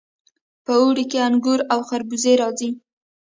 په اوړي کې انګور او خربوزې راځي.